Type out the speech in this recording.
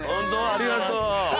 ありがとう。